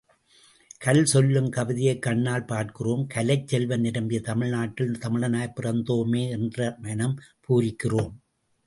கல் சொல்லும் கவிதையைக் கண்ணால் பார்க்கிறோம் கலைச் செல்வம் நிரம்பிய தமிழ்நாட்டில் தமிழனாய்ப் பிறந்தோமே என்று மனம் பூரிக்கிறோம்.